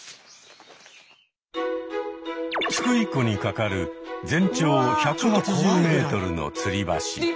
津久井湖にかかる全長１８０メートルのつり橋。